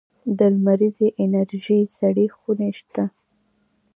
د لمریزې انرژۍ سړې خونې شته؟